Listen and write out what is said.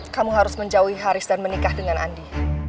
kamu harus menjauhi haris dan menikah dengan andi